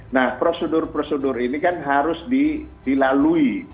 nah prosedur prosedur ini kan harus dilalui